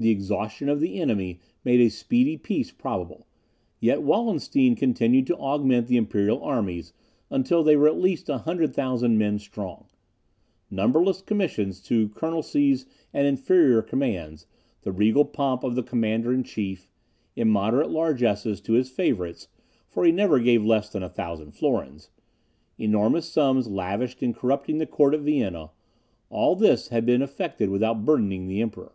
The exhaustion of the enemy made a speedy peace probable; yet Wallenstein continued to augment the imperial armies until they were at least 100,000 men strong. Numberless commissions to colonelcies and inferior commands, the regal pomp of the commander in chief, immoderate largesses to his favourites, (for he never gave less than a thousand florins,) enormous sums lavished in corrupting the court at Vienna all this had been effected without burdening the Emperor.